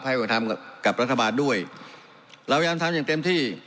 ให้ความเป็นธรรมกับรัฐบาลด้วยเรายามทำอย่างเต็มที่